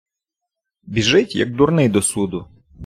Біжить, як дурний до суду.